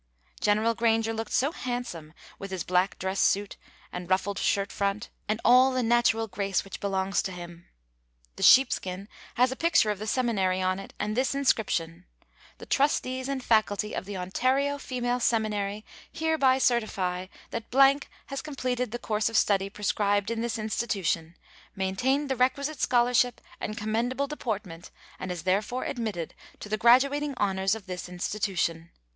General Granger looked so handsome with his black dress suit and ruffled shirt front and all the natural grace which belongs to him. The sheepskin has a picture of the Seminary on it and this inscription: "The Trustees and Faculty of the Ontario Female Seminary hereby certify that __________ has completed the course of study prescribed in this Institution, maintained the requisite scholarship and commendable deportment and is therefore admitted to the graduating honors of this Institution.